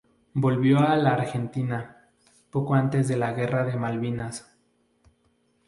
Volvió a la Argentina poco antes de la Guerra de Malvinas.